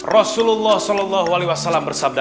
rasulullah saw bersabda